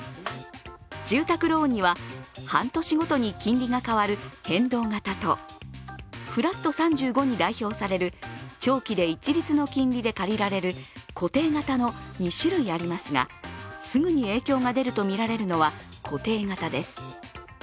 住宅ローンには、半年ごとに金利が変わる変動型とフラット３５に代表される長期で一律の金利で借りられる固定型の２種類ありますがすぐに影響が出るとみられるのは固定型です。